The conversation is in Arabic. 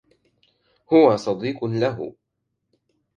هو صديق له.